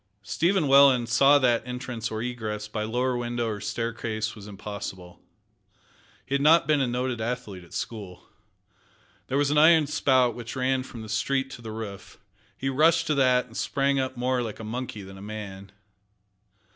Stephen Welland saw that entrance or egress by lower window or staircase was impossible. He had been a noted athlete at school. There was an iron spout which ran from the street to the roof. He rushed to that, and sprang up more like a monkey than a man.